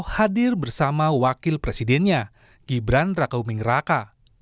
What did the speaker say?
hadir bersama wakil presidennya gibran rakauming raka